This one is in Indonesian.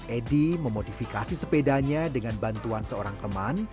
edi memodifikasi sepedanya dengan bantuan seorang teman